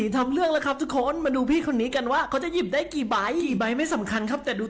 ทุกคนดีใจสุดไปเลยครับ